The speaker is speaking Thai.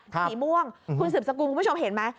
สีม่วงคุณสืบสกุลคุณผู้ชมเห็นไหม